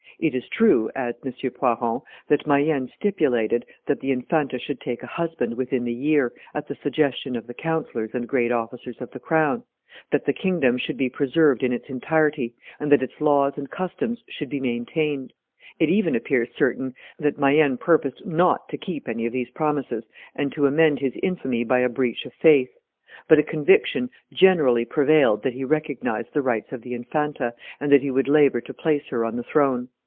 It is true," adds M. Poirson, "that Mayenne stipulated that the Infanta should take a husband, within the year, at the suggestion of the councillors and great officers of the crown, that the kingdom should be preserved in its entirety, and that its laws and customs should be maintained. ... It even appears certain that Mayenne purposed not to keep any of these promises, and to emend his infamy by a breach of faith. ... But a conviction generally prevailed that he recognized the rights of the Infanta, and that he would labor to place her on the throne.